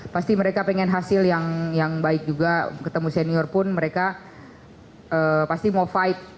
pasti mereka pengen hasil yang baik juga ketemu senior pun mereka pasti mau fight